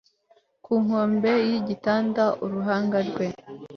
ku nkombe yigitanda uruhanga rwe